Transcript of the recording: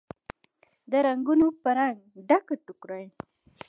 د رنګونوپه رنګ، ډکه ټوکرۍ